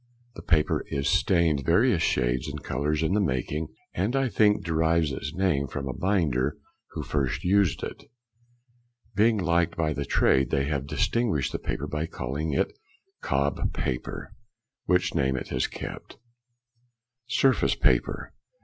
The paper is stained various shades and colours in the making, and I think derives its name from a binder who first used it. Being liked by the trade, they have distinguished the paper by calling it "Cobb paper," which name it has kept. _Surface Paper.